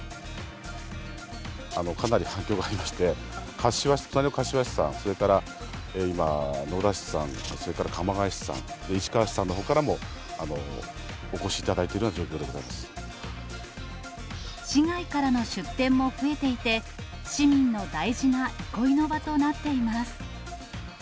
かなり反響がありまして、隣の柏市さん、それから今、野田市さん、それから鎌ケ谷市さん、市川市さんのほうからもお越しいただいているような状況でご市外からの出店も増えていて、市民の大事な憩いの場となっています。